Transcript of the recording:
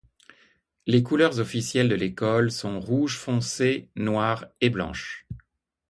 Les couleurs officielles de l'école sont rouge foncé, noire, et blanche.